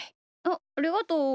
あっありがとう。